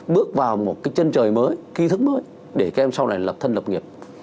bước vào một cái chân trời mới ký thức mới để các em sau này lập thân lập nghiệp